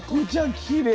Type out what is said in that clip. きれい。